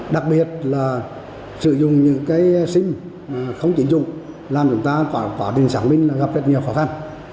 đặc biệt là sử dụng những cái sim không chỉ dùng làm chúng ta quá trình sản minh gặp rất nhiều khó khăn